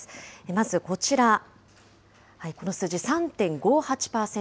まずこちら、この数字、３．５８％。